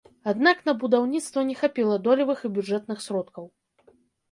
Аднак на будаўніцтва не хапіла долевых і бюджэтных сродкаў.